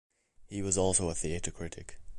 He was also a theatre critic.